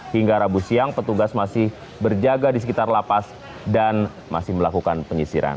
hingga rabu siang petugas masih berjaga di sekitar lapas dan masih melakukan penyisiran